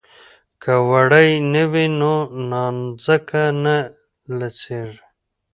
که وړۍ وي نو نانځکه نه لڅیږي.